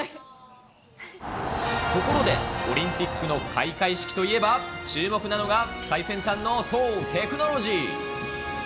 ところで、オリンピックの開会式といえば、注目なのが、最先端のそう、テクノロジー。